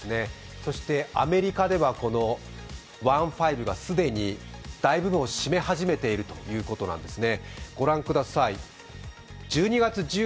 そしてアメリカでは１．５が大部分を占め始めているということなんですね。